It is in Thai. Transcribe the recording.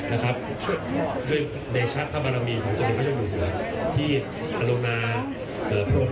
นะครับผมในนามของเอ่อตัวแทนของทีมปฏิบัติทุกคนนะครับ